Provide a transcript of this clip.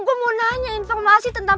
gue mau nanya informasi tentang